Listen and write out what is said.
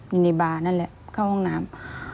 ไปในบานั้นแหลบเข้าห้องน้ำ